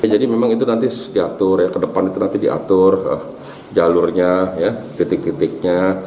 jadi memang itu nanti diatur ke depan itu nanti diatur jalurnya titik titiknya